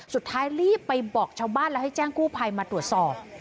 สุดท้ายรีบไปบอกชาวบ้านแล้วให้แจ้งกู้ภัยมาตรวจสอบ